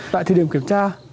tại thời điểm kiểm tra